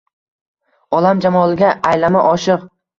Olam jamoliga aylama oshiq